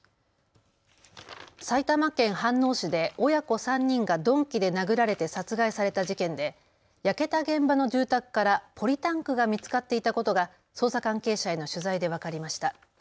埼玉県飯能市で親子３人が鈍器で殴られて殺害された事件で焼けた現場の住宅からポリタンクが見つかっていたことが捜査関係者への取材で分かりました。